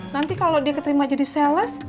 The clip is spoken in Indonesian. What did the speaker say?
nanti kalau dia keterima jadi sales